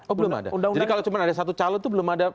oh belum ada jadi kalau cuma ada satu calon itu belum ada